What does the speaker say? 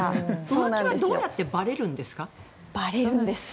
浮気はどうやってばれるんですか？